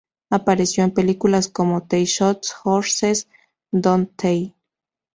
Apareció en películas como "They Shoot Horses, Don't They?